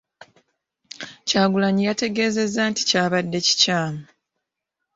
Kyagulanyi yategeezezza nti kyabadde kikyamu .